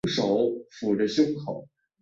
战局迅速向不利于南方的方向发展。